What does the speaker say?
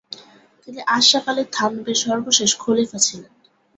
তিনি আশরাফ আলী থানভীর সর্বশেষ খলিফা ছিলেন।